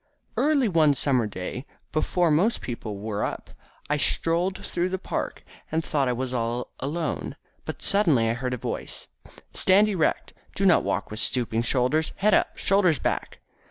Early one summer day, before most people were up, I strolled through the park. I thought I was all alone, but suddenly I heard a voice, "Stand erect. Do not walk with stooping shoulders. Head up, shoulders back!"